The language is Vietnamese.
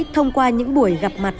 thông qua những buổi gặp mặt